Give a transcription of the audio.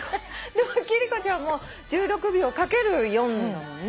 でも貴理子ちゃんも１６秒掛ける４だもんね